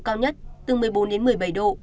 cao nhất từ một mươi bốn đến một mươi bảy độ